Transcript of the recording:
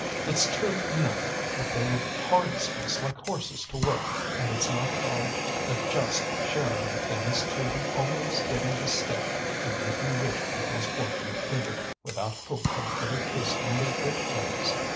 It's true enough that they harnessed us like horses to work, and it's not at all a just sharing of things to be always getting the stick and making rich people's fortunes bigger without hope of ever tasting the good things.